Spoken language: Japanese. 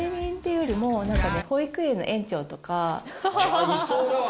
あっいそうだわ。